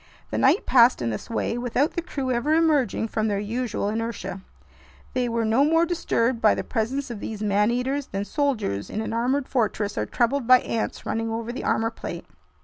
The night passed in this way, without the crew ever emerging from their usual inertia. They were no more disturbed by the presence of these man eaters than soldiers in an armored fortress are troubled by ants running over the armor plate.